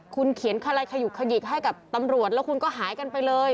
คุณเขียนอะไรขยุกขยิกให้กับตำรวจแล้วคุณก็หายกันไปเลย